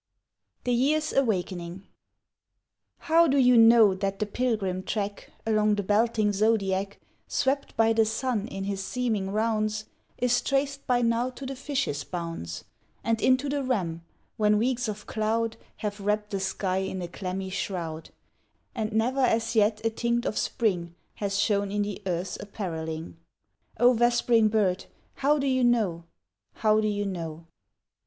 THE YEAR'S AWAKENING HOW do you know that the pilgrim track Along the belting zodiac Swept by the sun in his seeming rounds Is traced by now to the Fishes' bounds And into the Ram, when weeks of cloud Have wrapt the sky in a clammy shroud, And never as yet a tinct of spring Has shown in the Earth's apparelling; O vespering bird, how do you know, How do you know?